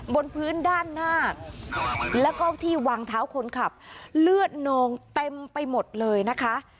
บนพื้นด้านหน้าแล้วก็ที่วางเท้าคนขับเลือดนองเต็มไปหมดเลยนะคะ